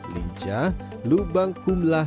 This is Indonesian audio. lincah lubang kumlah